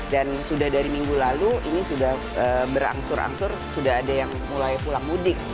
dan sudah dari minggu lalu ini sudah berangsur angsur sudah ada yang mulai pulang mudik